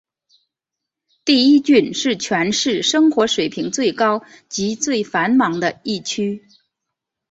第一郡是全市生活水平最高及最繁忙的一区。